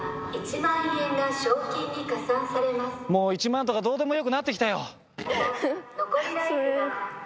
もう１万とかどうでもよくなって来たよ。